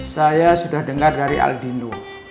saya sudah dengar dari aldino